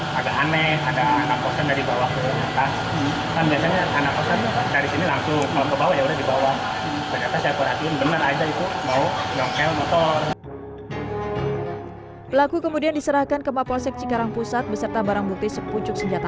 pria cctv kok agak aneh ada anak posen dari bawah ke atas